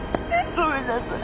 ごめんなさい。